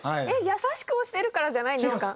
優しく押してるからじゃないんですか？